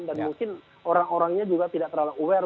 dan mungkin orang orangnya juga tidak terlalu aware